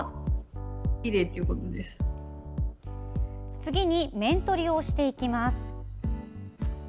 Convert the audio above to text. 次に面取りをしていきます。